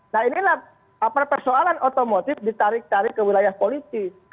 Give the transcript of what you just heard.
nah inilah persoalan otomotif ditarik tarik ke wilayah politik